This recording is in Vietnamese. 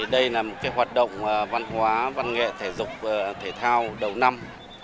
đây là một hoạt động văn hóa văn nghệ thể dục thể thao đầu năm